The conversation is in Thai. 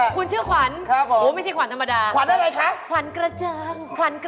คุณชื่อขวัญหูไม่ใช่ขวัญธรรมดาครับ